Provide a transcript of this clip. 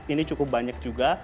ini cukup banyak juga